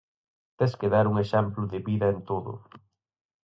Tes que dar un exemplo de vida en todo.